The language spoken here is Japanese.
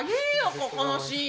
ここのシーン。